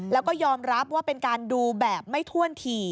แล้วก็ยอมรับว่าเป็นการดูแบบไม่ถ้วนถี่